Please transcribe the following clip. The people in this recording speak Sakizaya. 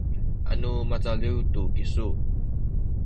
anu macaliw tu isu